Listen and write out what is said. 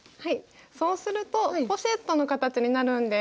そうするとポシェットの形になるんです。